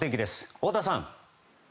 太田さん！